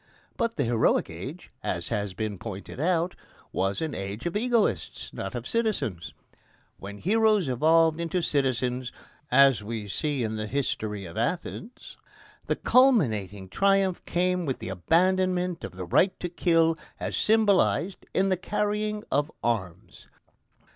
But the heroic age, as has been pointed out, was an age of egoists, not of citizens. When heroes evolved into citizens, as we see in the history of Athens, the culminating triumph came with the abandonment of the right to kill as symbolised in the carrying of arms.